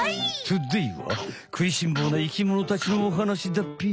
トゥデイは食いしん坊な生きものたちのおはなしだっぴ。